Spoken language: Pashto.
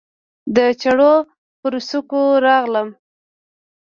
د چړو پر څوکو راغلم